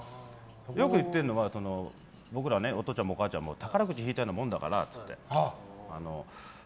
よく言ってるのは僕らお父ちゃんもお母ちゃんも宝くじを引いたようなものだからって。